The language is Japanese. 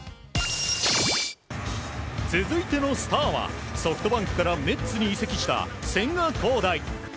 続いてのスターはソフトバンクからメッツに移籍した千賀滉大。